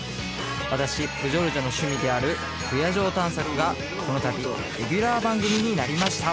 私プジョルジョの趣味である不夜城探索がこのたびレギュラー番組になりました